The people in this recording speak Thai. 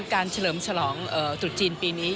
เฉลิมฉลองตรุษจีนปีนี้